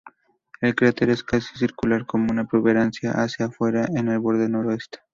El cráter es casi circular, con una protuberancia hacia afuera en el borde noreste.